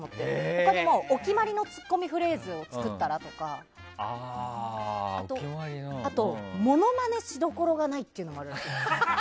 他にもお決まりのツッコミフレーズを作ったら？とかあと、モノマネしどころがないというのがありました。